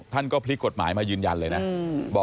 ตำรวจยืนยันแบบนี้